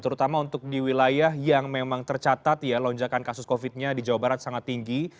terutama untuk di wilayah yang memang tercatat ya lonjakan kasus covid nya di jawa barat sangat tinggi